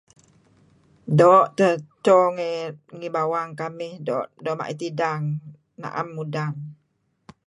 Doo' teh edto ngi bawang kamih doo' ma'it idang.